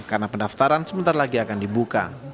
karena pendaftaran sebentar lagi akan dibuka